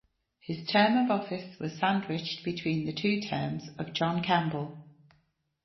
His term of office was sandwiched between the two terms of John Campbell.